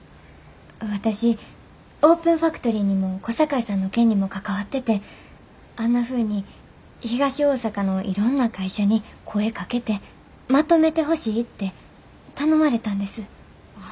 私オープンファクトリーにも小堺さんの件にも関わっててあんなふうに東大阪のいろんな会社に声かけてまとめてほしいって頼まれたんです。